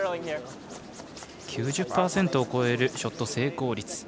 ９０％を超えるショット成功率。